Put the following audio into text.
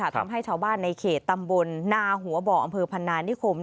ทำให้ชาวบ้านในเขตตำบลนาหัวบ่ออำเภอพนานิคม